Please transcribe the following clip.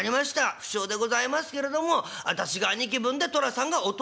不肖でございますけれどもあたしが兄貴分で寅さんが弟分」。